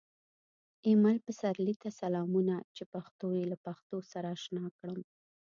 ایمل پسرلي ته سلامونه چې پښتو یې له پښتو سره اشنا کړم